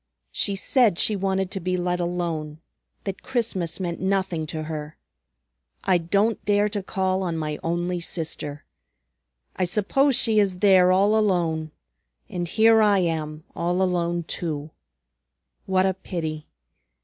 She said she wanted to be let alone; that Christmas meant nothing to her. I don't dare to call, on my only sister! I suppose she is there all alone, and here I am all alone, too. What a pity!